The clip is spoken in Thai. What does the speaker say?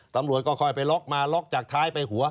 ตำรวจก็ค่อยไปล็อกมาล็อกจากท้ายไปหัว